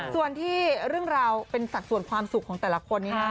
ส่วนที่เรื่องราวเป็นสัดส่วนความสุขของแต่ละคนนี้นะ